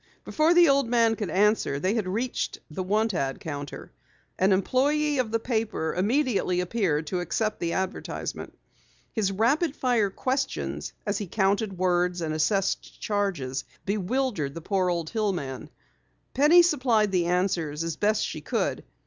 Before the old man could answer they had reached the want ad counter. An employee of the paper immediately appeared to accept the advertisement. His rapid fire questions as he counted words and assessed charges, bewildered the old hillman. Penny supplied the answers as best she could.